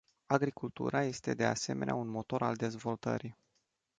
Agricultura este de asemenea un motor al dezvoltării.